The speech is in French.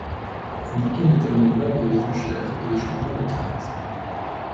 Un bouton détermine l'ordre des enchères et des changements de cartes.